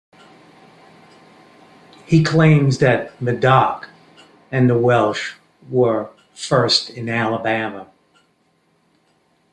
He claims that Madoc and the Welsh were first in Alabama.